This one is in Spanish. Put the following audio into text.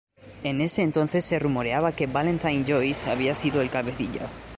En ese entonces se rumoreaba que Valentine Joyce había sido el cabecilla.